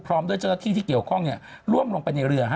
พร้อมด้วย๑๒๓ที่ที่เกี่ยวข้องร่วมลงไปในเรือ